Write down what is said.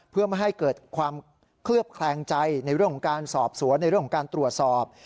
เพื่อไม่ให้เกิดความเคลือบแคลงใจในเรื่องของการสอบสวนในเรื่องของการตรวจสอบ